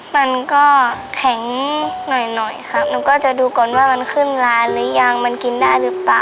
มันก็แข็งหน่อยหน่อยค่ะหนูก็จะดูก่อนว่ามันขึ้นร้านหรือยังมันกินได้หรือเปล่า